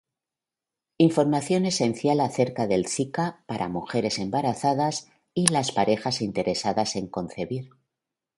Información esencial acerca del zika para mujeres embarazadas y las parejas interesadas en concebir.